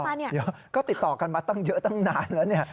เดี๋ยวเดี๋ยวก็ติดต่อกันมาเยอะตั้งนานแล้ว